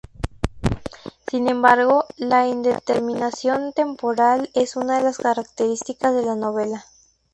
Sin embargo, la indeterminación temporal es una de las características de la novela.